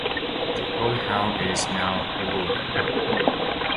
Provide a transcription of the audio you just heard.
The Old Hall is now a ruin.